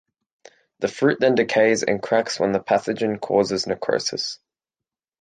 The fruit then decays and cracks when the pathogen causes necrosis.